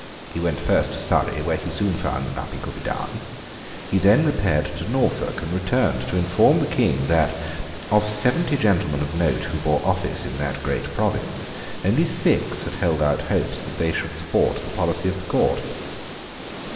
He went first to Surrey, where he soon found that nothing could be done. He then repaired to Norfolk, and returned to inform the King that, of seventy gentlemen of note who bore office in that great province, only six had held out hopes that they should support the policy of the court.